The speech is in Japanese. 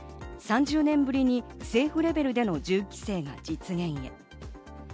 ３０年ぶりに政府レベルでの銃規制が実現へ。